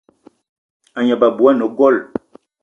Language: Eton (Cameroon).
A gneb abui ane gold.